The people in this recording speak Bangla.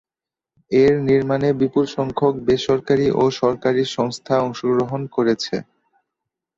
এর নির্মাণে বিপুল সংখ্যক বেসরকারি ও সরকারি সংস্থা অংশগ্রহণ করেছে।